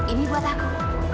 ini buat aku